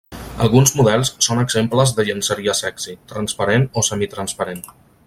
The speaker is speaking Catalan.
Alguns models són exemples de llenceria sexi, transparent o semitransparent.